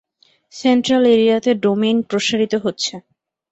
Central এরিয়াতে domain প্রসারিত হচ্ছে।